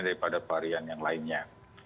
daripada varian yang lainnya